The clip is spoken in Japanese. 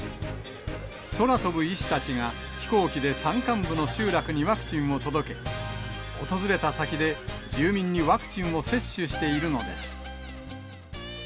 空飛ぶ医師たちが、飛行機で山間部の集落にワクチンを届け、訪れた先で住民にワクチンを接種しているのです。